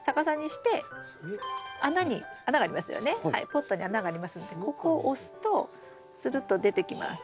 ポットに穴がありますのでここ押すとするっと出てきます。